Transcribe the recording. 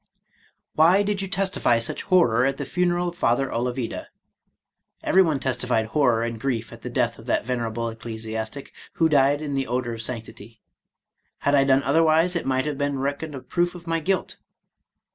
" Why did you testify such horror at the funeral of Father Olavida?" — "Everyone testified horror and grief at the death of that venerable ecclesiastic, who died in the odor of sanctity. Had I done otherwise, it might have been reck oned a proof of my guilt."